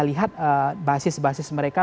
lihat basis basis mereka